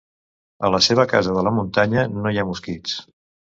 A la seva casa de la muntanya no hi ha mosquits.